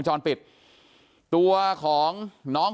อยู่ดีมาตายแบบเปลือยคาห้องน้ำได้ยังไง